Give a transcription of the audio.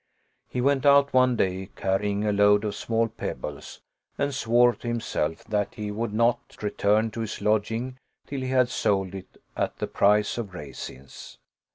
He went out one day, carrying a load of small pebbles, and swore to himself that he would not return to his lodging till he had sold it at the price of raisins.